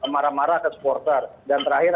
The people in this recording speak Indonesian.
marah marah ke supporter dan terakhir